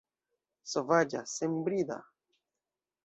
Sovaĝa, senbrida!